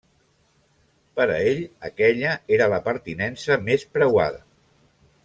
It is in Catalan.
Per a ell, aquella era la pertinença més preuada.